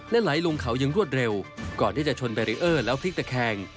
และไหลลงเขายังรวดเร็วก่อนที่จะชนแบรีเออร์แล้วพลิกตะแคง